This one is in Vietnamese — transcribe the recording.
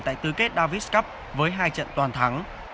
tại tứ kết davis cup với hai trận toàn thắng